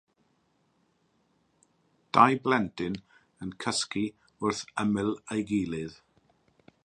Dau blentyn yn cysgu wrth ymyl ei gilydd.